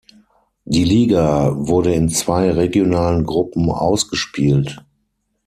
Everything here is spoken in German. Die Liga wurde in zwei regionalen Gruppen ausgespielt.